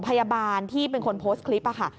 พยาบาลที่เป็นคนโพสต์คลิปค่ะ